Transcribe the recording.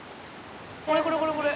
これこれこれこれ。